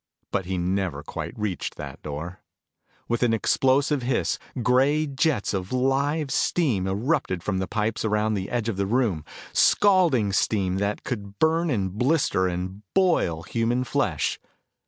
But he never quite reached that door. With an explosive hiss, gray jets of live steam erupted from pipes around the edge of the room. Scalding steam that could burn and blister and boil human flesh.